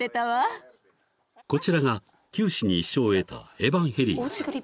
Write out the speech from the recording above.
［こちらが九死に一生を得たエバンヘリーナさん］